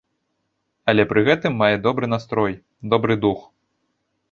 Але пры гэтым мае добры настрой, добры дух.